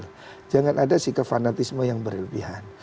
kita harus mencari kemanusiaan